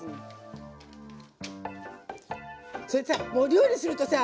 それでさお料理するとさ